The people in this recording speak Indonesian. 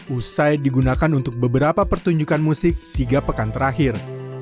usai digunakan untuk beberapa pertunjukan musik tiga pekan terakhir